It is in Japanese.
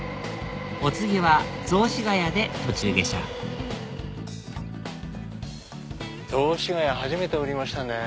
お次は雑司が谷で途中下車雑司が谷初めて降りましたね。